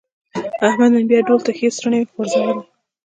احمد نن بیا ډول ته ښې څڼې غورځولې.